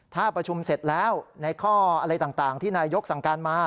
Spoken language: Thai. ถ้าประชุมเสร็จแล้วในข้ออะไรต่างที่นายกสั่งการมา